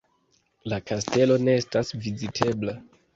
La kastelo ne estas vizitebla.